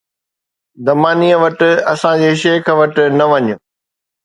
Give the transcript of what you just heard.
”دمانيءَ وٽ اسان جي شيخ وٽ نه وڃ